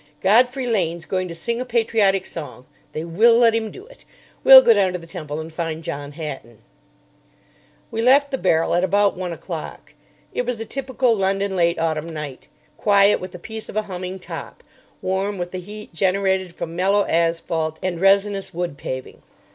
"Godfrey Lane's going to sing a patriotic song. They will let him do it. We'll go down to the Temple and find John Hatton." We left the Barrel at about one o'clock. It was a typical London late autumn night. Quiet with the peace of a humming top; warm with the heat generated from mellow asphalt and resinous wood paving.